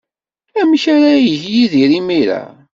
Amek ara yeg Yidir imir-a?